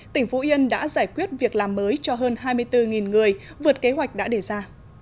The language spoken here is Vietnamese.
tỉnh phú yên đã giải quyết việc làm mới cho hơn hai mươi bốn người vượt kế hoạch đã đề ra